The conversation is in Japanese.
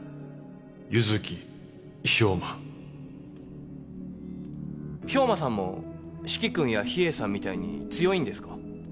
弓月兵馬兵馬さんも四鬼君や秘影さんみたいに強いんですか？